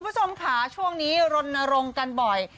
คุณผู้ชมค่ะช่วงนี้รณรงค์กันบ่อย